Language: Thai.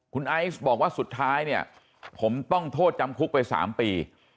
คุณไอซ์บอกว่าสุดท้ายเนี่ยผมต้องโทษจำคุกไป๓ปี